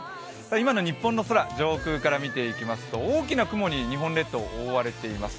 今の日本の空、上空から見ていきますと大きな雲に日本列島、覆われています。